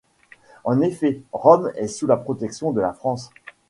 En effet, Rome est sous la protection de la France.